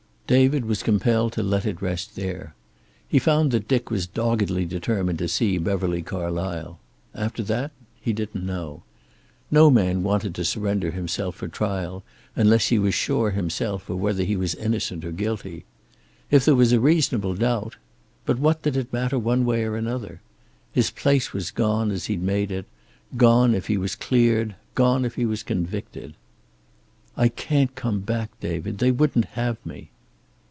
David was compelled to let it rest there. He found that Dick was doggedly determined to see Beverly Carlysle. After that, he didn't know. No man wanted to surrender himself for trial, unless he was sure himself of whether he was innocent or guilty. If there was a reasonable doubt but what did it matter one way or the other? His place was gone, as he'd made it, gone if he was cleared, gone if he was convicted. "I can't come back, David. They wouldn't have me."